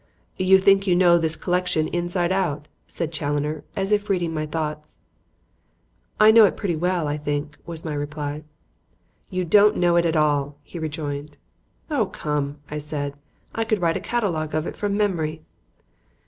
"You think you know this collection inside out," said Challoner, as if reading my thoughts. "I know it pretty well, I think," was my reply. "You don't know it at all," he rejoined. "Oh, come!" I said. "I could write a catalogue of it from memory."